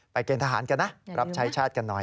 เกณฑ์ทหารกันนะรับใช้ชาติกันหน่อย